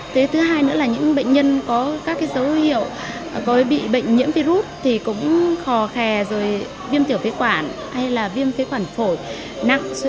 tế thứ hai nữa là những bệnh nhân có các dấu hiệu bị bệnh nhiễm virus thì cũng khò khè rồi viêm tiểu phế quản hay là viêm phế quản phổi nặng